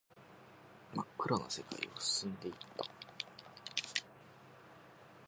真っ暗な世界を進んでいった